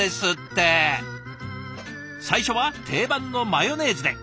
最初は定番のマヨネーズで。